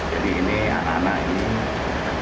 jadi ini anak anak ini berkandar